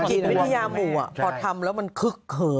จีนไม่ได้ยามหูพอทำแล้วมันคึกเขิม